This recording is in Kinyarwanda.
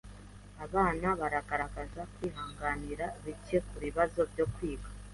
Abana bagaragaza kwihanganira bike kubibazo byo kwiga.